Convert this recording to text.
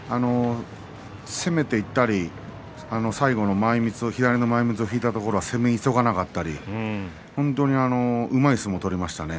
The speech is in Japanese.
攻めていったり最後の前みつ左の前みつを引いたところは攻め急がなかったり本当にうまい相撲を取りましたね。